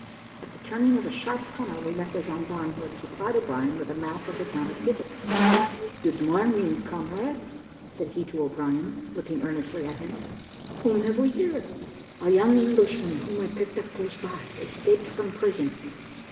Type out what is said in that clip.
At the turning of a sharp corner we met the gendarme who had supplied O'Brien with a map of the town of Givet, "Good morning, comrade," said he to O'Brien, looking earnestly at him, "whom have we here?" "A young Englishman, whom I picked up close by, escaped from prison."